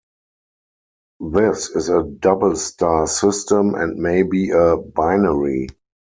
This is a double star system and may be a binary.